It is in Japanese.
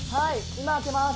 今開けます！